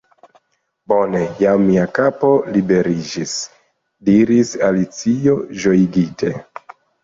"Bone! Jam mia kapo liberiĝis," diris Alicio, ĝojigite.